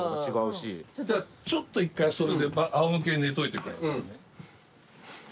ちょっと一回それであお向けに寝といてくださいね。